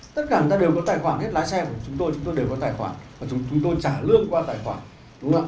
tất cả người ta đều có tài khoản hết lái xe của chúng tôi chúng tôi đều có tài khoản và chúng tôi trả lương qua tài khoản đúng không ạ